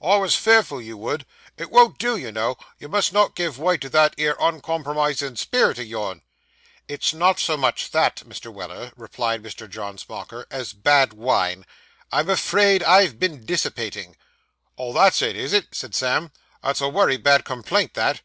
'I was fearful you would; it won't do, you know; you must not give way to that 'ere uncompromisin' spirit o' yourn.' 'It's not so much that, Mr. Weller,' replied Mr. John Smauker, 'as bad wine; I'm afraid I've been dissipating.' 'Oh! that's it, is it?' said Sam; 'that's a wery bad complaint, that.